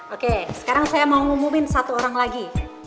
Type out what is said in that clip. oke sekarang saya mau ngumumin satu orang lagi